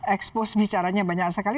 exposed bicaranya banyak sekali